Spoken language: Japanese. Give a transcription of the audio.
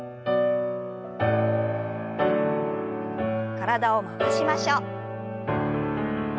体を回しましょう。